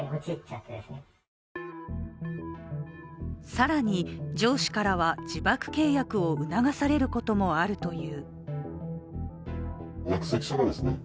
更に、上司からは自爆契約を促されることもあるという。